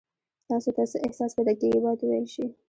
تاسو ته څه احساس پیدا کیږي باید وویل شي.